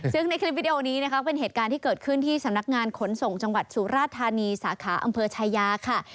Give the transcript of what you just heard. ซึ่งในคลิปวิดีโอนี้นะคะเป็นเหตุการณ์ที่เกิดขึ้นที่สำนักงานขนส่งจังหวัดสุราธานีสาขาอำเภอชายาค่ะ